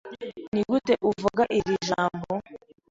Nigute uvuga iri jambo?